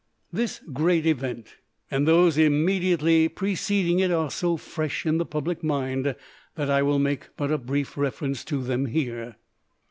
This great event and those immediately preceding it are so fresh in the public mind that I will make but a brief reference to them here.